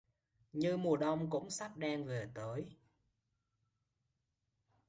Như mùa Đông cũng sắp đang về tới